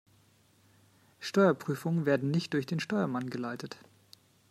Steuerprüfungen werden nicht durch den Steuermann geleitet.